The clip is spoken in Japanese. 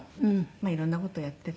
いろんな事をやってて。